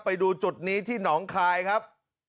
ไปดูจุดนี้ที่หนองคายครับ